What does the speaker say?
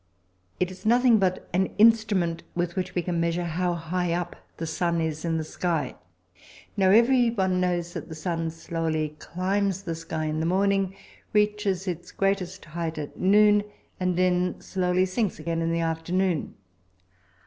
It is nothing but an instrument with which we can measure how high up the sun is in the sky. Now, everyone knows that the sun slowly climbs the sky in the morning, reaches its greatest height at noon, and then slowly sinks again in the afternoon.